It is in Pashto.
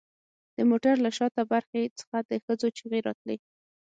د موټر له شاته برخې څخه د ښځو چیغې راتلې